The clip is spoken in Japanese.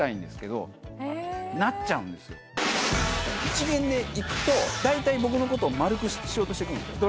一見で行くと大体僕のことを丸くしようとしてくるんですよ